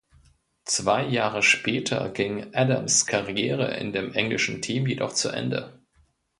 Zwei Jahre später ging Adams Karriere in dem englischen Team jedoch zu Ende.